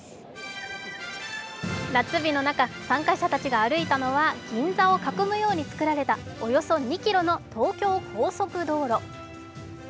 夏日の中、参加者たちが歩いたのは銀座を囲むように造られたおよそ２ｋｍの東京高速道路。